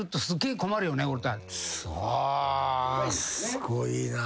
すごいな。